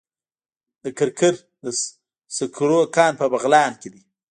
د کرکر د سکرو کان په بغلان کې دی